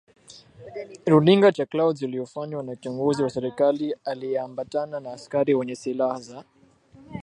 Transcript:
runinga cha Clouds uliofanywa na kiongozi wa Serikali aliyeambatana na askari wenye silaha za